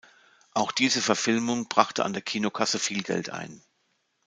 Auch diese Verfilmung brachte an der Kinokasse viel Geld ein.